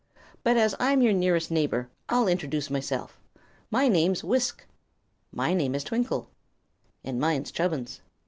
But as I'm your nearest neighbor I'll introduce myself. My name's Wisk." "My name is Twinkle." "And mine's Chubbins."